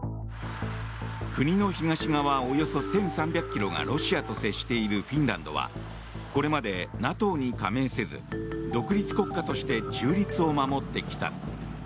国の東側およそ１３００ｋｍがロシアと接しているフィンランドはこれまでＮＡＴＯに加盟せず独立国家として中立を守ってきた。